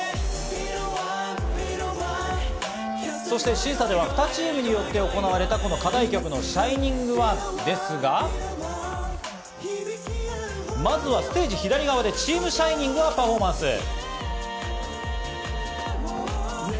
そして審査では２チームによって行われた、この課題曲の『ＳｈｉｎｉｎｇＯｎｅ』ですが、まずはステージ左側でチームＳｈｉｎｉｎｇがパフォーマンス。